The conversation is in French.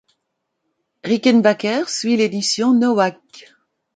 Rickenbacker suit l'édition Nowak.